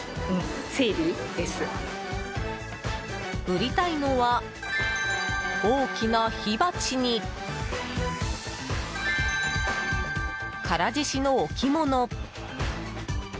売りたいのは大きな火鉢に唐獅子の置物。